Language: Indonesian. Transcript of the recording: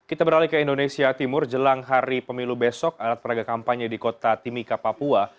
kita beralih ke indonesia timur jelang hari pemilu besok alat peraga kampanye di kota timika papua